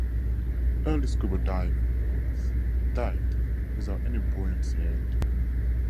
Early scuba divers dived without any buoyancy aid.